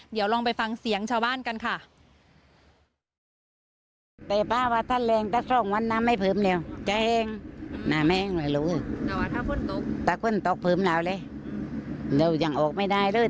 เดี๋ยวลองไปฟังเสียงชาวบ้านกันค่ะ